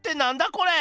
これ！